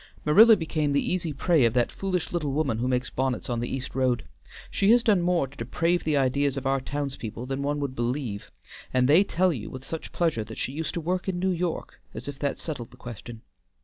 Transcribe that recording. Marilla became the easy prey of that foolish little woman who makes bonnets on the East road. She has done more to deprave the ideas of our townspeople than one would believe, and they tell you with such pleasure that she used to work in New York, as if that settled the question.